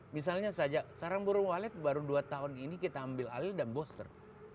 misalnya saja sarang burung walet baru dua tahun ini kita ambil alih dan booster